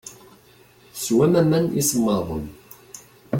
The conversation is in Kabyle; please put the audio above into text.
Teswam aman isemmaḍen.